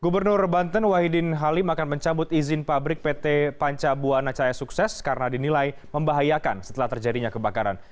gubernur banten wahidin halim akan mencabut izin pabrik pt panca buana cahaya sukses karena dinilai membahayakan setelah terjadinya kebakaran